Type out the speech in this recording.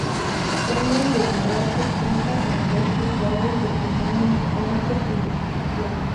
Cangas de Morrazo cuenta con dos Juzgados de Primera Instancia e Instrucción.